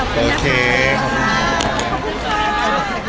จะร่วมที่แพลงวิทยาลัยไหร่ไหมครับ